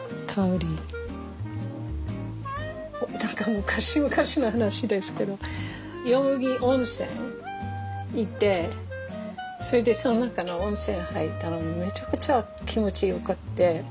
昔々の話ですけどヨモギ温泉行ってそれでその中の温泉入ったらめちゃくちゃ気持ちよくって。